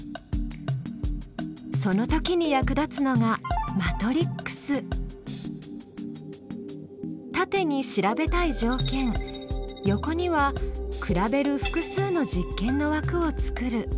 その時に役立つのが縦に調べたい条件横には比べる複数の実験のわくを作る。